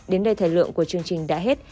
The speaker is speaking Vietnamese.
đến đây thời lượng của chương trình đã hết